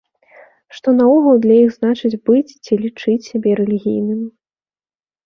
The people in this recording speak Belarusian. Што наогул для іх значыць быць ці лічыць сябе рэлігійнымі?